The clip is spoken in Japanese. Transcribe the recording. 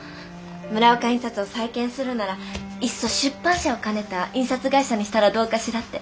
村岡印刷を再建するならいっそ出版社を兼ねた印刷会社にしたらどうかしらって。